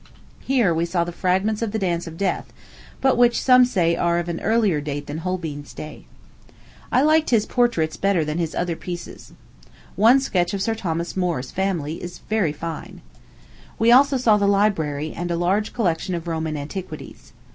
Here we saw the fragments of the Dance of Death, but which some say are of an earlier date than Holbein's day. I liked his portraits better than his other pieces. One sketch of Sir Thomas More's family is very fine. We also saw the library, and a large collection of Roman antiquities.